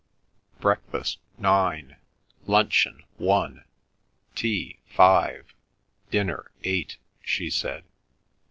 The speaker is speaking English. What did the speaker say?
"Breakfast nine; luncheon one; tea five; dinner eight," she said.